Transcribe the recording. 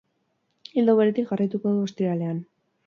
Ildo beretik jarraituko du ostiralean.